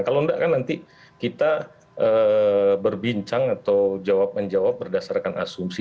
kalau enggak kan nanti kita berbincang atau jawab menjawab berdasarkan asumsi